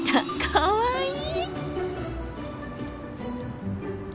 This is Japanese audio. かわいい。